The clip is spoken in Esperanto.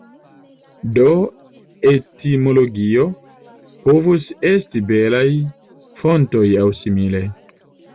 Do etimologio povus esti belaj fontoj aŭ simile.